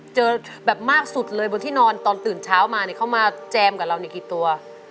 เจอแบบมากสุดเลยบนที่นอนตอนตื่นเช้ามาเนี่ยเขามาแจมกับเราเนี่ยกี่ตัว